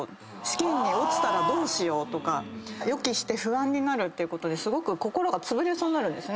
試験に落ちたらどうしようとか予期して不安になるってことですごく心がつぶれそうになる。